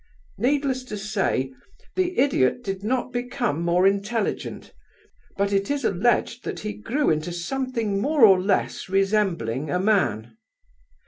Needless to say, the idiot did not become intelligent, but it is alleged that he grew into something more or less resembling a man.